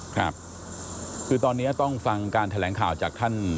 ครับคือตอนนี้ต้องฟังการแถลงข่าวจากท่าน